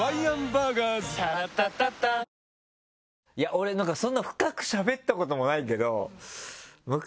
俺なんかそんな深くしゃべったこともないけど。